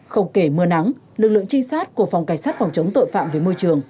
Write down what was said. không kể mưa nắng lực lượng trinh sát của phòng cảnh sát phòng chống tội phạm về môi trường